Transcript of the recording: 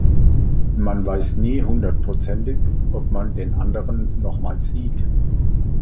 Man weiß nie hundertprozentig, ob man den anderen noch mal sieht.